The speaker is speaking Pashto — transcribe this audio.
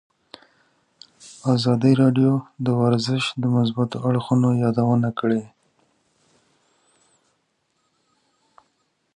ازادي راډیو د ورزش د مثبتو اړخونو یادونه کړې.